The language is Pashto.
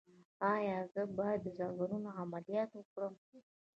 ایا زه باید د زنګون عملیات وکړم؟